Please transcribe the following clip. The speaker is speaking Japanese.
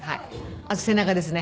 あと背中ですね。